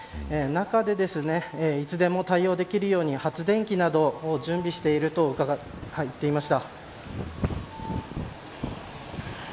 中で、いつでも対応できるように発電機などを準備していると伺っています。